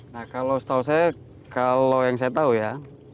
nah kalau setahu saya kalau yang saya tahu ya